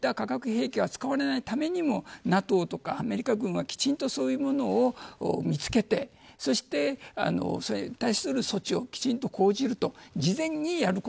こういった化学兵器が使われないためにもＮＡＴＯやアメリカ軍はきちんとそういうものを見つけて、そしてそれに対する措置をきちんと講じると。